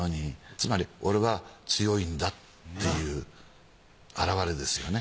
つまり俺は強いんだっていう表れですよね。